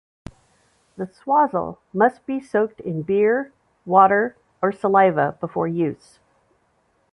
The swazzle must be soaked in beer, water, or saliva before use.